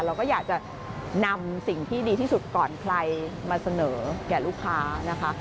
เราก็อยากจะนำสิ่งที่ดีที่สุดก่อนใครมาเสนอแก่ลูกค้านะคะ